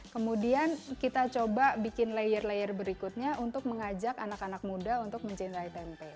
kemudian kita coba bikin layer layer berikutnya untuk mengajak anak anak muda untuk mencintai tempe